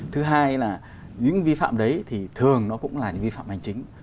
thứ hai là những vi phạm đấy thì thường nó cũng là những vi phạm hành chính